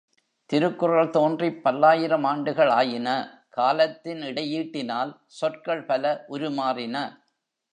திருக்குறள் தோன்றிப் பல்லாயிரம் ஆண்டுகள் ஆயின காலத்தின் இடையீட்டினால், சொற்கள் பல உருமாறின.